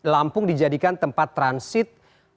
lampung dijadikan tempat transit